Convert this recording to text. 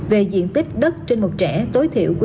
về diện tích đất trên một trẻ tối thiểu